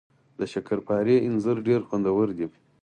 د شکرپارې انځر ډیر خوندور وي